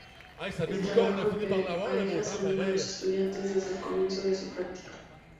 El trabajo en parejas anima a los estudiantes desde el comienzo de su práctica.